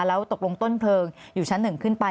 แล้วตกลงต้นเผลออยู่ชั้นหนึ่งขึ้นไป